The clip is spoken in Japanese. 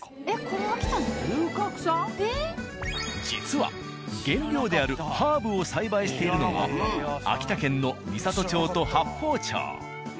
これ実は原料であるハーブを栽培しているのは秋田県の美郷町と八峰町。